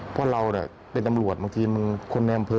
เพราะเราเป็นตำรวจบางทีมันคือ